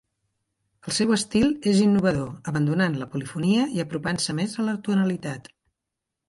El seu estil és innovador, abandonant la polifonia i apropant-se més a la tonalitat.